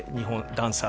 ダンサー